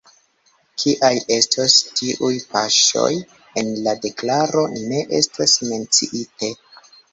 Kiaj estos tiuj paŝoj, en la deklaro ne estas menciite.